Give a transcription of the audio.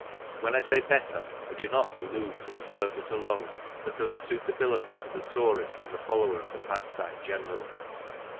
When I say better I do not allude to surface alone, but to their suitability for the tourist 80 THE CYCLE INDUSTRY and the follower of the pastime generally.